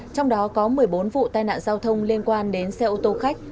trong đó có một mươi bốn vụ tai nạn giao thông liên quan đến xe ô tô khách